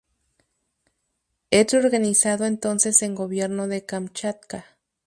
Es reorganizado entonces en gobierno de Kamchatka.